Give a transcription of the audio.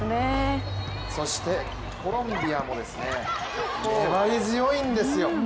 そしてコロンビアも粘り強いんですよ。